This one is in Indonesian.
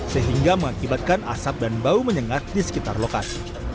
sehingga mengakibatkan asap dan bau menyengat di sekitar lokasi